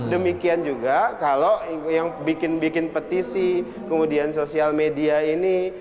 demikian juga kalau yang bikin bikin petisi kemudian sosial media ini